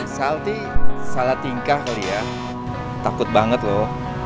saat ini salah tingkah kali ya takut banget loh